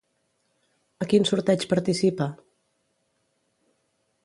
A quin sorteig participa?